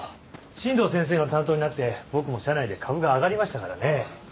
新道先生の担当になって僕も社内で株が上がりましたからね。